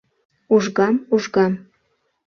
Ужгам, ужгам...